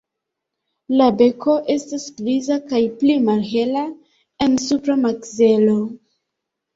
La beko estas griza kaj pli malhela en supra makzelo.